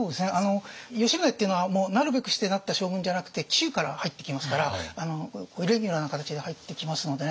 吉宗っていうのはなるべくしてなった将軍じゃなくて紀州から入ってきますからイレギュラーな形で入ってきますのでね。